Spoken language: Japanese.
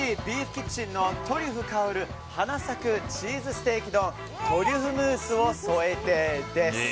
キッチンのトリュフ香る花咲くチーズステーキ丼トリュフムースを添えてです。